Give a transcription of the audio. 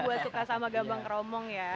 buat suka sama gambang kromong ya